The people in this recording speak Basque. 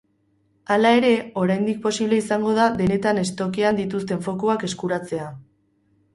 Hala ere, oraindik posible izango da denetan stockean dituzten fokuak eskuratzea.